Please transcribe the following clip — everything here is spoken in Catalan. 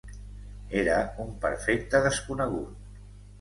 Era un perfecte desconegut.